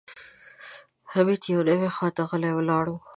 حميد يوې خواته غلی ولاړ و.